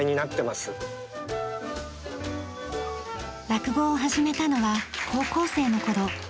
落語を始めたのは高校生の頃。